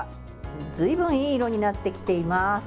ずいぶんいい色になってきています。